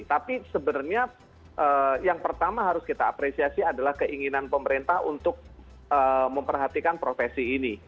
tapi sebenarnya yang pertama harus kita apresiasi adalah keinginan pemerintah untuk memperhatikan profesi ini